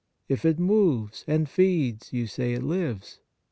If it moves and feeds, you say it lives.